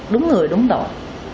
đúng người đúng tội